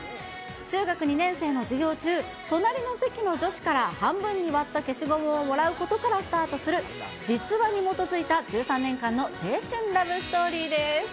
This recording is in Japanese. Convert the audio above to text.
中学２年生の授業中、隣の席の女子から半分に割った消しゴムをもらうことからスタートする実話に基づいた１３年間の青春ラブストーリーです。